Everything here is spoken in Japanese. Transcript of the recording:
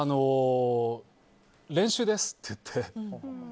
練習ですって言って。